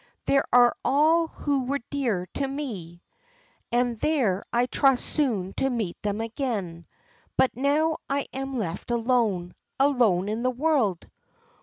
There are all who were dear to me, and there I trust soon to meet them again; but now I am left alone—alone in the world!